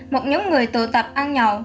một nhóm người tụ tập ăn nhậu